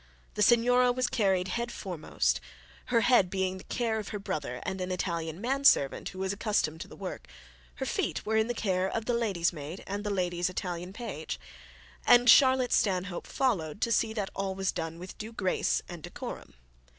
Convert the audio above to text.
The signora was carried head foremost, her head being the care of her brother and an Italian man servant who was accustomed to the work; her feet were in the care of the lady's maid and the lady's Italian page; and Charlotte Stanhope followed to see that all was done with due grace and decorum.